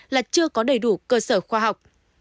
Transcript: là chưa có đầy đủ cơ sở khoa học